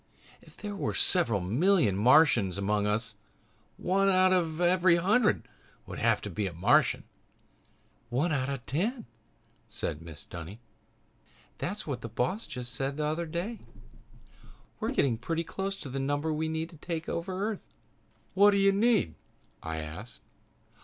"If there are several million Martians among us, one out of every hundred would have to be a Martian." "One out of every ten!" said Mrs. Dunny. "That's what the boss said just the other day. 'We're getting pretty close to the number we need to take over Earth.'" "What do you need?" I asked.